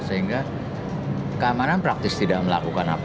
sehingga keamanan praktis tidak melakukan apa